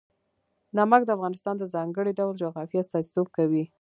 نمک د افغانستان د ځانګړي ډول جغرافیه استازیتوب کوي.